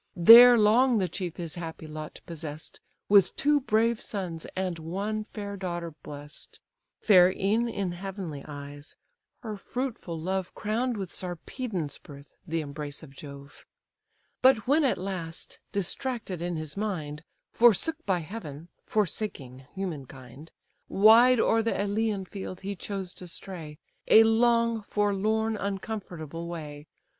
There long the chief his happy lot possess'd, With two brave sons and one fair daughter bless'd; (Fair e'en in heavenly eyes: her fruitful love Crown'd with Sarpedon's birth the embrace of Jove;) But when at last, distracted in his mind, Forsook by heaven, forsaking humankind, Wide o'er the Aleian field he chose to stray, A long, forlorn, uncomfortable way!